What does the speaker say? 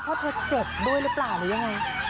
เพราะเธอเจ็บด้วยหรือเปล่าหรือยังไง